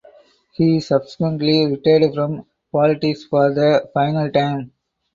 He subsequently retired from politics for the final time.